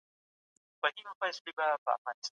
د نړيوالو سازمانونو له مرستو څخه سمه ګټه واخلئ.